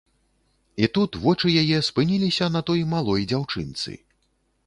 І тут вочы яе спыніліся на той малой дзяўчынцы.